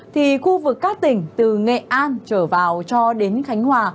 thì khu vực các tỉnh từ nghệ an trở vào cho đến khánh hòa